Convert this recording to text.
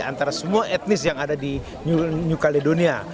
antara semua etnis yang ada di new caledonia